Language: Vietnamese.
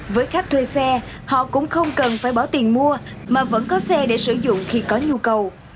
với khách thuê xe họ cũng không cần phải bỏ tiền mua mà vẫn có xe để sử dụng khi có nhu cầu